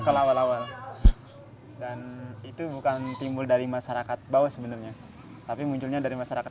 membuatnya tergerak untuk menanamkan kecintaan anak anak di desa warung banten terhadap membaca